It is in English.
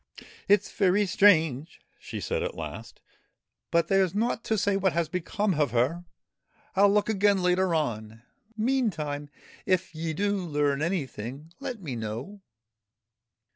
' It's very strange,' she said at last ;' but there's nought to say 1 1 THE BURIED MOON what has become of her. I '11 look again later on ; meantime if ye do learn anything, let me know.'